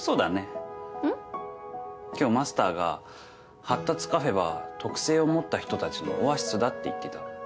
今日マスターが「発達カフェは特性を持った人たちのオアシスだ」って言ってた。